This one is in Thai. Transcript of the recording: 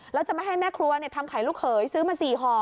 แล้วจะไม่ให้แม่ครัวทำไข่ลูกเขยซื้อมา๔ห่อ